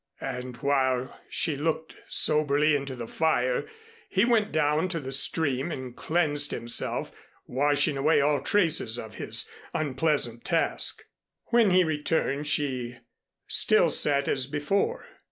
And while she looked soberly into the fire, he went down to the stream and cleansed himself, washing away all traces of his unpleasant task. When he returned she still sat as before.